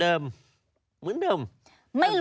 เดิมเหมือนเดิม